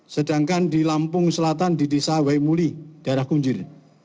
sedangkan di lampung selatan di desa waimuli daerah kunjir